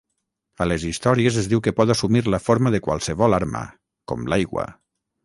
A les històries es diu que pot assumir la forma de qualsevol arma, com l'aigua.